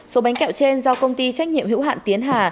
số bánh kẹo trên do công ty trách nhiệm hữu hạn tiến hà